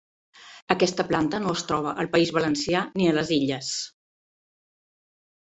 Aquesta planta no es troba al País Valencià ni a les Illes.